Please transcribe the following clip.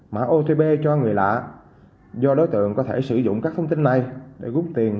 mã otp cho người lạ do đối tượng có thể sử dụng các thông tin này để gút tiền